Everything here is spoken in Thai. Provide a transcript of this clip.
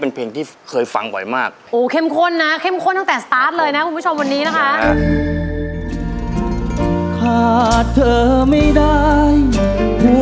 สุภาพบุรุษมาก